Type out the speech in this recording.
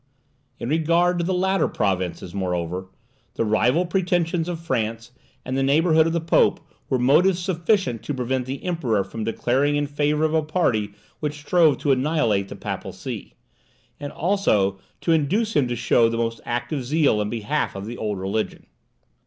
In regard to the latter provinces, moreover, the rival pretensions of France, and the neighbourhood of the Pope, were motives sufficient to prevent the Emperor from declaring in favour of a party which strove to annihilate the papal see, and also to induce him to show the most active zeal in behalf of the old religion.